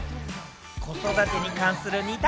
子育てに関する二択